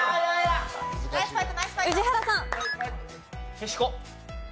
へしこ。